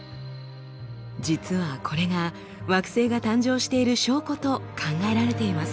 実はこれが惑星が誕生している証拠と考えられています。